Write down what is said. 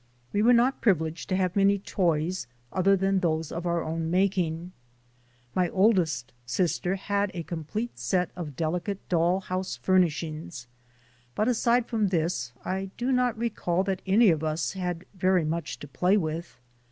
We were not privileged to have many toys other than those of our own making. My oldest sister had a complete set of delicate doll house furnishings, but aside from this, I do not recall that any of us had very much to play with.